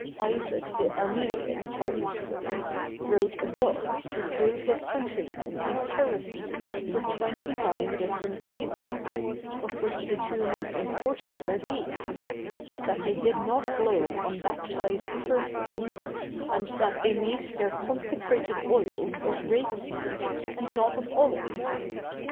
Isaac the Armenian, for instance, wrote a book to prove his countrymen in heresy for twenty nine different reasons, of which the two most important are these — that they did 7iot blow on baptised persons, and that they made their consecrated oils of rapeseed and not of olives.